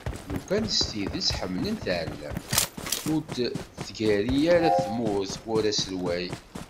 Lukan s tidet ḥemmlen taɛellamt, ur d-tgerri ara tmurt war aselway.